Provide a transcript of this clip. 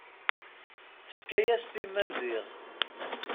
Tefka-yas-t i Maziɣ.